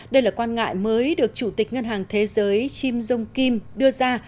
đây là quan ngại mới được chủ tịch ngân hàng thế giới jim jong kim đưa ra